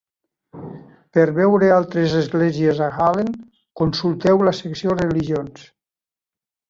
Per veure altres esglésies a Aalen, consulteu la secció Religions.